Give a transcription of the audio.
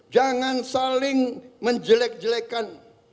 jangan saling menjelek jelekan